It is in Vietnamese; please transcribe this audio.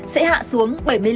sẽ hạ xuống bảy mươi năm